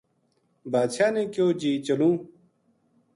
بادشاہ نے کہیو جی چلوں